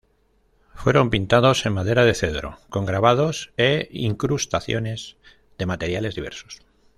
Fueron pintados en madera de cedro, con grabados e incrustaciones de materiales diversos.